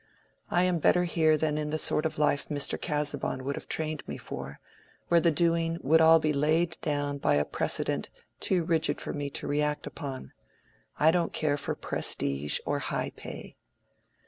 I am better here than in the sort of life Mr. Casaubon would have trained me for, where the doing would be all laid down by a precedent too rigid for me to react upon. I don't care for prestige or high pay."